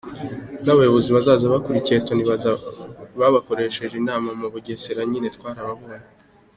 N'abayobozi bazaza bakurikiye Tony babakoresheje inama mu Bugesera nyine twarababonye.